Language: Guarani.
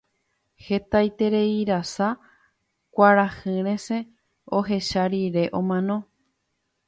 hetaitereirasa kuarahyresẽ ohecha rire omano